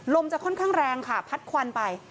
จะค่อนข้างแรงค่ะพัดควันไป